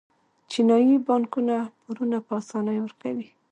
چینايي بانکونه پورونه په اسانۍ ورکوي.